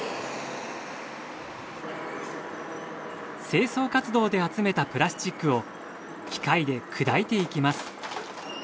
清掃活動で集めたプラスチックを機械で砕いていきます。